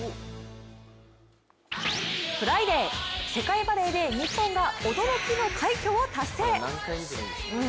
フライデー、世界バレーで日本が驚きの快挙を達成。